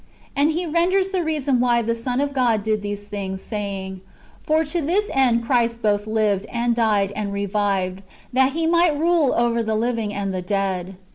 ^ And he renders the reason why the Son of God did these things, saying, " For to this end Christ both lived, and died, and revived, that He might rule over the living and the dead.""